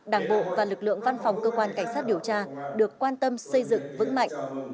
đảng bộ và lực lượng văn phòng cơ quan cảnh sát điều tra được quan tâm xây dựng vững mạnh